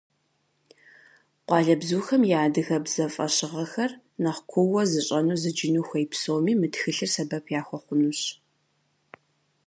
Къуалэбзухэм я адыгэбзэ фӏэщыгъэхэр нэхъ куууэ зыщӏэну, зыджыну хуей псоми мы тхылъыр сэбэп яхуэхъунущ.